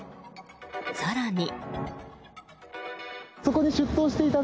更に。